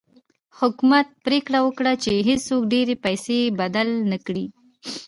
حکومت پرېکړه وکړه چې هېڅوک ډېرې پیسې بدل نه کړي.